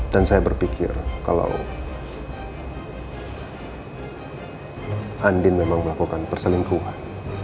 dan saya berpikir kalau andi memang melakukan perselingkuhan